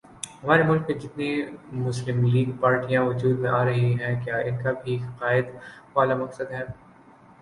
ہمارے ملک میں جتنی مسلم لیگ پارٹیاں وجود میں آرہی ہیں کیا انکا بھی قائد والا مقصد ہے